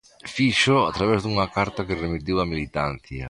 Fíxoo a través dunha carta que remitiu á militancia.